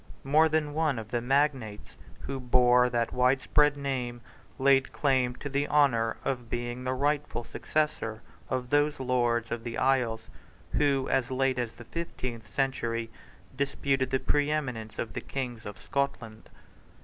More than one of the magnates who bore that widespread name laid claim to the honour of being the rightful successor of those Lords of the Isles, who, as late as the fifteenth century, disputed the preeminence of the Kings of Scotland.